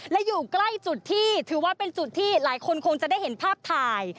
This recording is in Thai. และอยู่ใกล้จุดที่ถือว่าเป็นจุดที่หลายคนคงจะได้เห็นภาพถ่าย